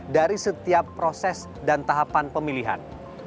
dari setiap proses dan tahapan pemilihan